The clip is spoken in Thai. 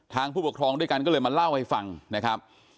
ผู้ปกครองด้วยกันก็เลยมาเล่าให้ฟังนะครับ